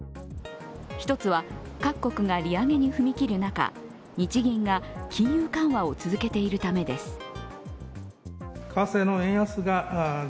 一つは各国が利上げに踏み切る中、日銀が金融緩和を続けているためです。